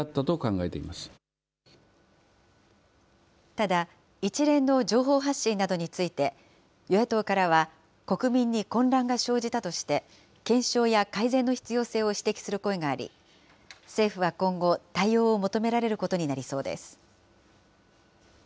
ただ、一連の情報発信などについて、与野党からは、国民に混乱が生じたとして、検証や改善の必要性を指摘する声があり、政府は今後、対応を求められることになりそうです。